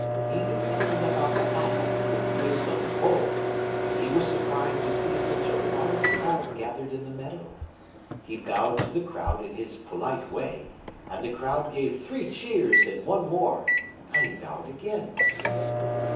He knew nothing about the hat having been placed on the pole, and he was surprised to see such a large crowd gathered in the meadow. He bowed to the crowd in his polite way, and the crowd gave three cheers and one more, and he bowed again.